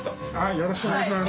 よろしくお願いします。